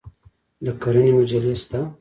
د کرنې مجلې شته؟